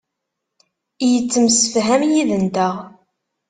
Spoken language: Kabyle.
Yettemsefham yid-nteɣ.